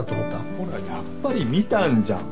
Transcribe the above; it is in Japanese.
ほらやっぱり見たんじゃん！